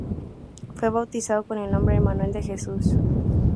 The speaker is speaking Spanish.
Fue bautizado con el nombre de Manuel de Jesús.